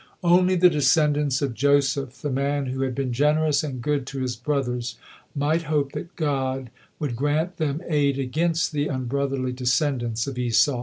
Only the descendants of Joseph, the man who had been generous and good to his brothers, might hope that God would grant them aid against the unbrotherly descendants of Esau.